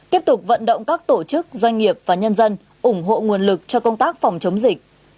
tiếp tục vận động các tổ chức doanh nghiệp và nhân dân ủng hộ nguồn lực cho công tác phòng chống dịch